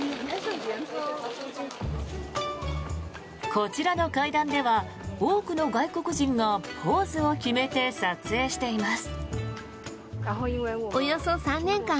こちらの階段では多くの外国人がポーズを決めて撮影しています。